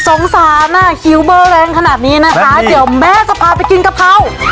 สงสารอ่ะคิวเบอร์แรงขนาดนี้นะคะเดี๋ยวแม่จะพาไปกินกะเพรา